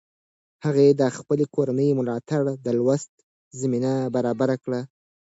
هغې د خپلې کورنۍ ملاتړ د لوست زمینه برابره کړه.